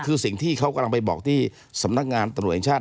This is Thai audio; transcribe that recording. คือสิ่งที่เขากำลังไปบอกที่สำนักงานตรวจแห่งชาติ